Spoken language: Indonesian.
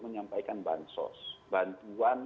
menyampaikan bansos bantuan